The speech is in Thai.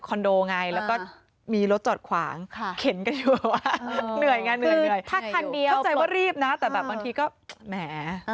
เข้าใจว่ารีบนะแต่แบบบางทีก็แหม